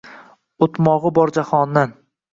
O’tmog’i bor jahondan.